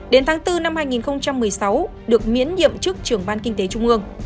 đến tháng bốn năm hai nghìn một mươi sáu được miễn nhiệm chức trưởng ban kinh tế trung ương